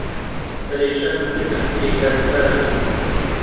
پەرێشان و کزم بێ کاروبارم